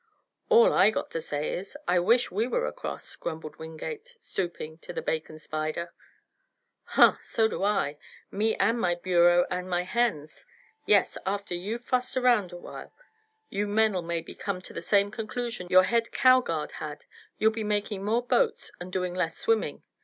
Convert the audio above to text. "All I got to say is, I wish we were across," grumbled Wingate, stooping to the bacon spider. "Huh! So do I me and my bureau and my hens. Yes, after you've fussed around a while you men'll maybe come to the same conclusion your head cow guard had; you'll be making more boats and doing less swimming.